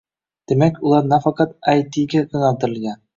Demak, ular nafaqat AyTiga yoʻnaltirilgan